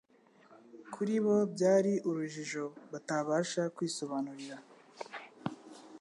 Kuri bo byari urujijo batabasha kwisobanurira.